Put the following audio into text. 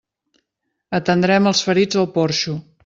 Atendrem els ferits al porxo.